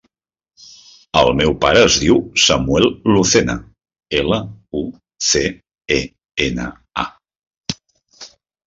El meu pare es diu Samuel Lucena: ela, u, ce, e, ena, a.